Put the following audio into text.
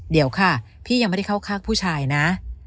เดี๋ยวค่ะพี่ยังไม่ได้เข้าข้างผู้ชายนะ